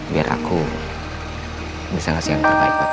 biar aku bisa ngasih yang terbaik buat kamu